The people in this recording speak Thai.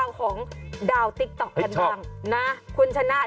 โอ้โหดาวดวงนี้ดวงใหญ่มาก